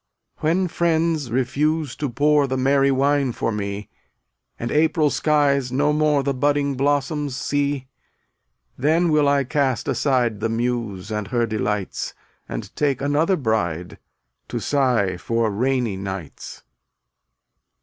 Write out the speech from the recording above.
258 When friends refuse to pour The merry wine for me, And April skies no more The budding blossoms see, Then will I cast aside The Muse and her delights, And take another bride To sigh for rainy nights.